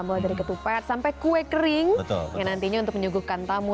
mulai dari ketupat sampai kue kering yang nantinya untuk menyuguhkan tamu